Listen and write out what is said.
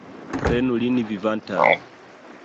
Prenu lin vivantan!